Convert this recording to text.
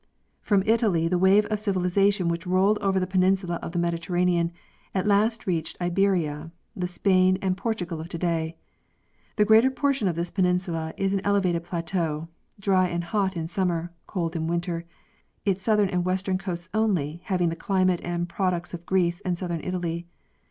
From Italy the wave of civilization which rolled over the peninsulas of the Mediterranean at last reached Iberia—the Spain and Portugal of today. The greater part of this peninsula is an elevated plateau, dry and hot in summer, cold in winter, its southern and western coasts only having the climate and prod ucts of Greece and southern Italy.